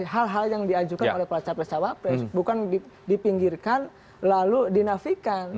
hal hal yang diajukan oleh capres cawapres bukan dipinggirkan lalu dinafikan